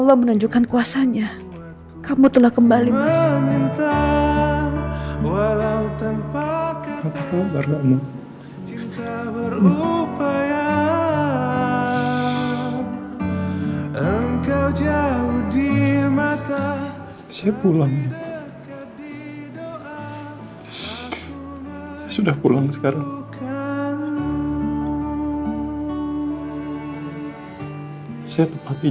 aku akan pernah kemana mana lagi